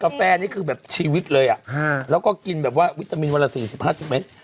แฟนี่คือแบบชีวิตเลยอ่ะแล้วก็กินแบบว่าวิตามินวันละ๔๐๕๐เมตร